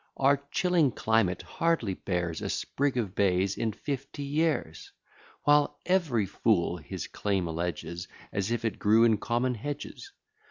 Our chilling climate hardly bears A sprig of bays in fifty years; While every fool his claim alleges, As if it grew in common hedges.